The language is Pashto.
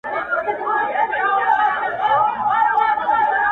چي راتلم درې وار مي په سترگو درته ونه ويل!